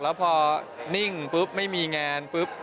แล้วพอนิ่งปุ๊บไม่มีงานปุ๊บ